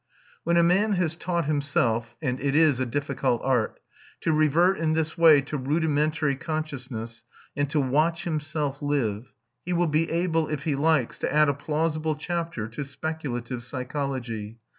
When a man has taught himself and it is a difficult art to revert in this way to rudimentary consciousness and to watch himself live, he will be able, if he likes, to add a plausible chapter to speculative psychology.